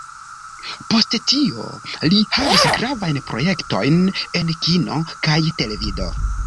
Post tio li havis gravajn projektojn en kino kaj televido.